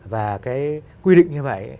và cái quy định như vậy